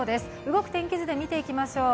動く天気図で見ていきましょう。